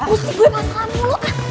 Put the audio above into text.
usi gue masalahmu lo